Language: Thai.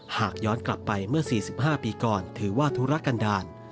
หากย้อนกลับไปเมื่อ๔๕ปีก่อนถือว่าธุรกันดาล